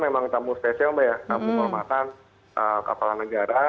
ini memang tamu spesial mbak ya tamu hormatan kapal negara